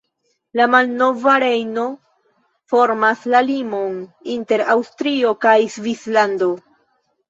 La Malnova Rejno formas la limon inter Aŭstrio kaj Svislando.